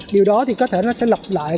điều đó thì có thể nó sẽ lập lại